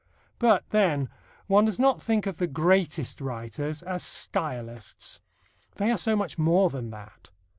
But, then, one does not think of the greatest writers as stylists. They are so much more than that.